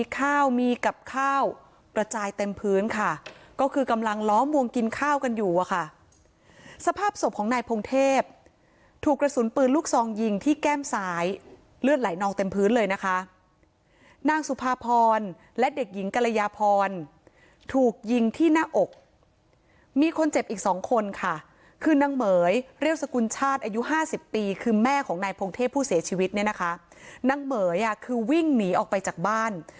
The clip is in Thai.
ตายเต็มพื้นค่ะก็คือกำลังล้อมวงกินข้าวกันอยู่อะค่ะสภาพศพของนายพงเทพถูกกระสุนปืนลูกซองยิงที่แก้มสายเลือดไหลนองเต็มพื้นเลยนะคะนางสุภาพรและเด็กหญิงกรยาพรถูกยิงที่หน้าอกมีคนเจ็บอีกสองคนค่ะคือนางเมย์เรียวสกุลชาติอายุห้าสิบปีคือแม่ของนายพงเทพผู้เสียชีวิตเนี้ยนะคะ